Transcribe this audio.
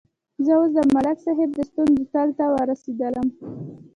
زه اوس د ملک صاحب د ستونزې تل ته ورسېدلم.